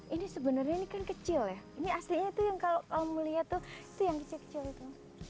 ini sebenarnya ini kan kecil ya ini aslinya itu yang kalau kamu lihat tuh si yang kecil kecil itu